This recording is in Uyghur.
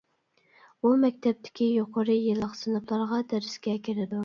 ئۇ مەكتەپتىكى يۇقىرى يىللىق سىنىپلارغا دەرسكە كىرىدۇ.